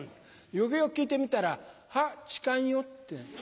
よくよく聞いてみたら「はっ痴漢よ」って。